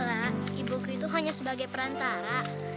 lah ibu gue itu hanya sebagai perantara